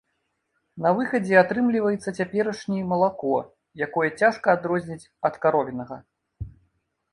На выхадзе атрымліваецца цяперашні малако, якое цяжка адрозніць ад каровінага.